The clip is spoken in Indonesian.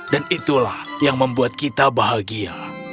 dan itulah yang membuat kita bahagia